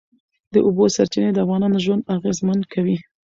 د اوبو سرچینې د افغانانو ژوند اغېزمن کوي.